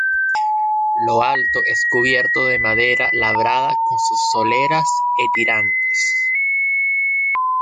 Lo alto es cubierto de madera labrada con sus soleras e tirantes.